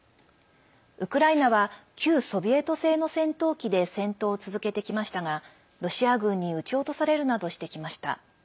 ウクライナは、旧ソビエト製の戦闘機で戦闘を続けてきましたがロシア軍に撃ち落とされるなどしてきました。